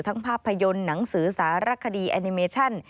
ภาพยนตร์หนังสือสารคดีแอนิเมชั่น